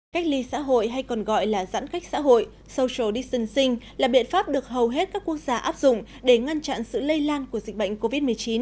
cách ly xã hội hay còn gọi là giãn cách xã hội social distancing là biện pháp được hầu hết các quốc gia áp dụng để ngăn chặn sự lây lan của dịch bệnh covid một mươi chín